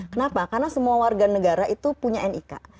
kenapa karena semua warga negara itu punya nik